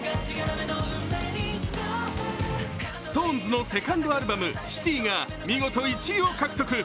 ＳｉｘＴＯＮＥＳのセカンドアルバム「ＣＩＴＹ」が見事１位を獲得。